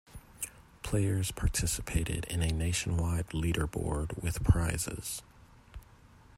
Players participated in a nationwide leaderboard, with prizes.